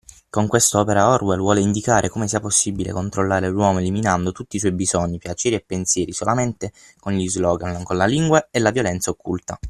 Con quest'opera Orwell vuole indicare come sia possibile controllare l'uomo eliminando tutti i suoi bisogni, piaceri e pensieri solamente con gli slogan, con la lingua e la violenza occulta.